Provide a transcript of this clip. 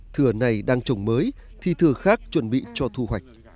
thừa này đang trồng mới thì thừa khác chuẩn bị cho thu hoạch